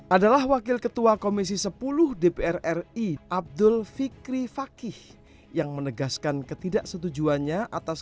adalah wakil ketua komisi sepuluh dpr ri abdul fikri fakih yang menegaskan ketidaksetujuannya atas